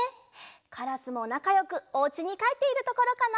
カラスもなかよくおうちにかえっているところかな？